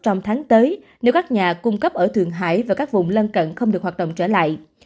trong tháng tới nếu các nhà cung cấp ở thượng hải và các vùng lân cận không được hoạt động trở lại